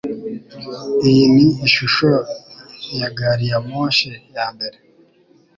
Iyi ni ishusho ya gari ya moshi ya mbere